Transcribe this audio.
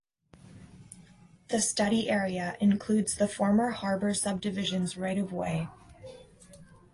The study area includes the former Harbor Subdivisions right of way.